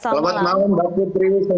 selamat malam mbak putri